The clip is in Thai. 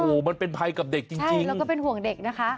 โอ้โหมันเป็นภัยกับเด็กจริงแล้วก็เป็นห่วงเด็กนะคะ